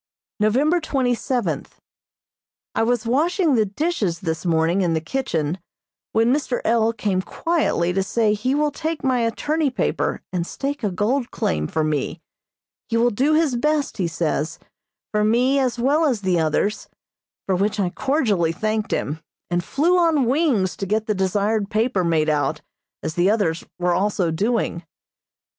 November twenty seventh: I was washing the dishes this morning in the kitchen, when Mr. L. came quietly to say he will take my attorney paper and stake a gold claim for me. He will do his best, he says, for me as well as the others, for which I cordially thanked him, and flew on wings to get the desired paper made out, as the others were also doing.